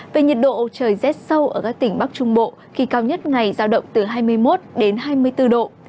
về nhiệt độ trời rét sâu ở các tỉnh bắc trung bộ khi cao nhất ngày giao động từ hai mươi một đến hai mươi bốn độ